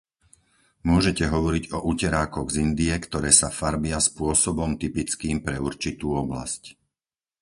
Môžete hovoriť o uterákoch z Indie, ktoré sa farbia spôsobom typickým pre určitú oblasť.